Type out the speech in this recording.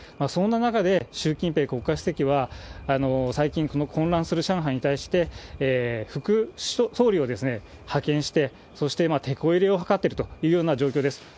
そんな中で、習近平国家主席は、最近、混乱する上海に対して、副総理を派遣して、そしててこ入れを図ってるというような状況です。